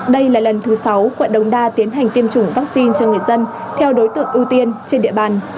đây là lần thứ sáu quận đống đa tiến hành tiêm chủng vaccine cho người dân theo đối tượng ưu tiên trên địa bàn